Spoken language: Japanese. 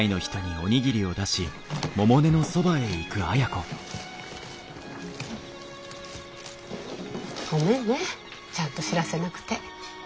ごめんねちゃんと知らせなくて。